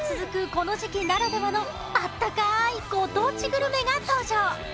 この時期ならではのあったかいご当地グルメが登場！